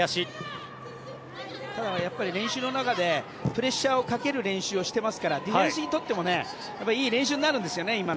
練習の中でプレッシャーをかける練習をしていますからディフェンスにとってもいい練習になるんですよね。